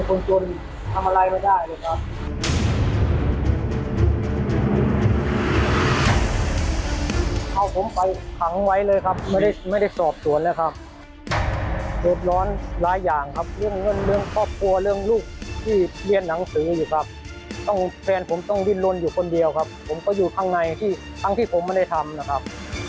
เหตุร้อนหลายอย่างครับเรื่องเรื่องเรื่องครอบครัวเรื่องลูกที่เรียนหนังสืออยู่ครับต้องแฟนผมต้องวิ่นลนอยู่คนเดียวครับผมก็อยู่ข้างในที่ทั้งที่ผมไม่ได้ทำนะครับ